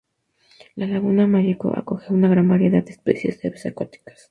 La Laguna Malleco acoge a una gran variedad de especies de aves acuáticas.